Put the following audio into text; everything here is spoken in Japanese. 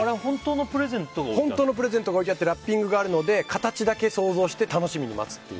本当のプレゼントが置いてあるのでラッピングがあるので形だけ想像して楽しみに待つっていう。